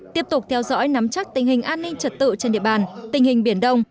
tiếp tục theo dõi nắm chắc tình hình an ninh trật tự trên địa bàn tình hình biển đông